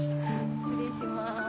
失礼します。